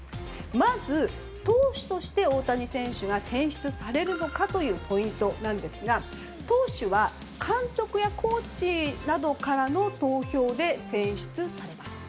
まず、投手として大谷選手が選出されるのかというポイントなんですが投手は監督やコーチなどからの投票で選出されます。